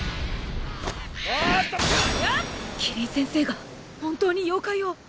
希林先生が本当に妖怪を！